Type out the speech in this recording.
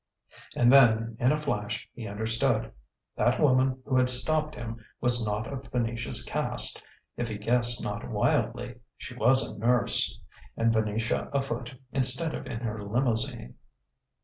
And then in a flash he understood. That woman who had stopped him was not of Venetia's caste; if he guessed not wildly, she was a nurse. And Venetia afoot instead of in her limousine....